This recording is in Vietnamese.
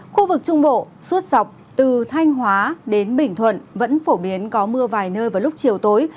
khu vực trung bộ suốt dọc từ thanh hóa đến bình thuận vẫn phổ biến có mưa vài nơi vào lúc chiều tối